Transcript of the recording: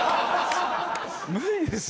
無理ですよ。